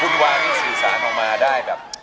คุณหวังสื่อสารมาได้